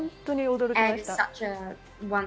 驚きました。